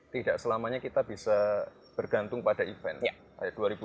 tidak selamanya kita bisa bergantung pada event